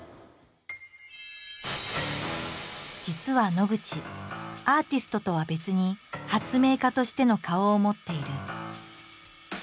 実は野口アーティストとは別に発明家としての顔を持っている。